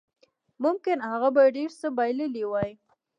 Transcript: ممکن هغه به ډېر څه بایللي وای